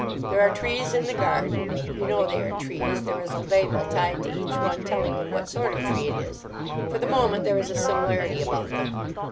There are trees in the garden; you know they are trees—there is a label tied to each one telling you what sort of tree it is. For the moment there is a similarity about them.